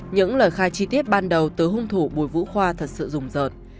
những lời khai chi tiết ban đầu từ hung thủ bùi vũ khoa thật sự rùng rợt